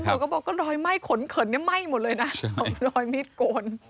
แล้วหนูก็บอกก็รอยไหม้ขนเขินยังไหม้หมดเลยนะรอยมิดโกน